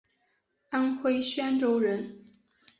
安徽宣州人。